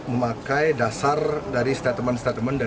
memakai dasar dari statement statement